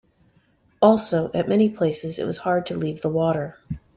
Also, at many places it was hard to leave the water.